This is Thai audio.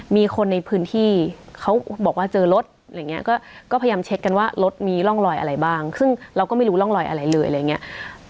มีคนในพื้นที่เขาบอกว่าเจอรถอะไรอย่างเงี้ยก็พยายามเช็คกันว่ารถมีร่องรอยอะไรบ้างซึ่งเราก็ไม่รู้ร่องรอยอะไรเลยอะไรอย่างนี้